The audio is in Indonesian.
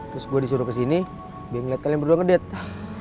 terus gue disuruh kesini biar ngeliat kalian berdua ngedate